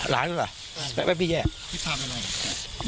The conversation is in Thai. ล้านหรอ